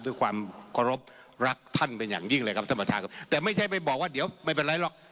ด้วยความรับท่านเป็นอย่างยิ่งเลยครับแต่ไม่ใช่ไปบอกว่าเดี๋ยวไม่เป็นไรหรอก